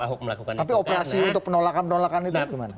ahok melakukan itu tapi operasi untuk penolakan penolakan itu